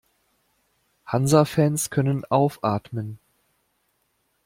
Hansa-Fans können aufatmen.